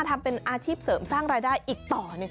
ทำเป็นอาชีพเสริมสร้างรายได้อีกต่อหนึ่ง